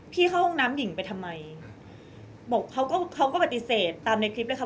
เข้าห้องน้ำหญิงไปทำไมบอกเขาก็เขาก็ปฏิเสธตามในคลิปเลยค่ะ